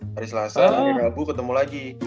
hari selasa hari rabu ketemu lagi